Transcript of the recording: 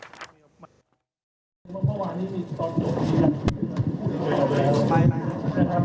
คือเรื่องเขาเอาเงินมาล่อแต่เขาคิดว่ามันไม่ถูกต้องครับ